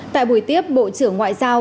tại buổi tiếp bộ trưởng ngoại giao